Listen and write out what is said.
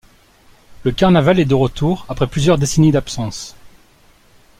Le carnaval est de retour après plusieurs décennies d'absence.